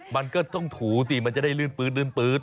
มันก็ต้องถูสิมันจะได้ลื่นปื๊ดลื่น